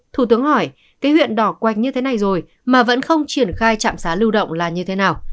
thủ tướng hỏi cái huyện đỏ quạch như thế này rồi mà vẫn không triển khai trạm xá lưu động là như thế nào